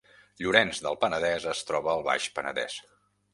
Llorenç del Penedès es troba al Baix Penedèss